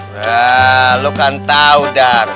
wah lu kan tahu dar